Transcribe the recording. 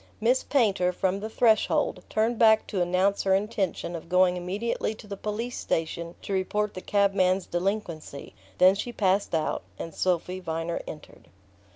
Miss Painter, from the threshold, turned back to announce her intention of going immediately to the police station to report the cabman's delinquency; then she passed out, and Sophy Viner entered.